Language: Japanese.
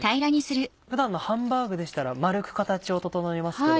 普段のハンバーグでしたら丸く形を整えますけど。